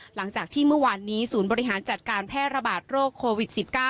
หลังจากที่เมื่อวานนี้ศูนย์บริหารจัดการแพร่ระบาดโรคโควิด๑๙